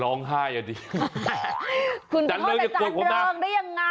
ลองห้ายแล้วดี